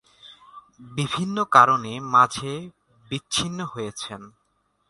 বিভিন্ন কারণে মাঝে বিচ্ছিন্ন হয়েছেন।